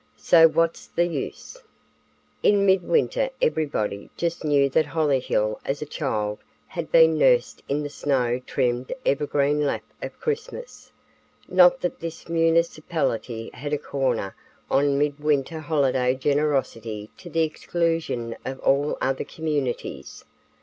So what's the use? In mid winter everybody just knew that Hollyhill as a child had been nursed in the snow trimmed evergreen lap of Christmas. Not that this municipality had a corner on mid winter holiday generosity to the exclusion of all other communities.